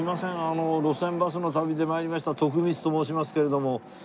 『路線バスの旅』で参りました徳光と申しますけれども。